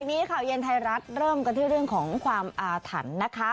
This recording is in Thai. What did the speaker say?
วันนี้ข่าวเย็นไทยรัฐเริ่มกันที่เรื่องของความอาถรรพ์นะคะ